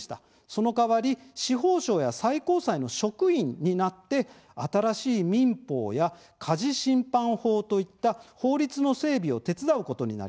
その代わり司法省や最高裁の職員になって新しい民法や家事審判法といった法律の整備を手伝うことになります。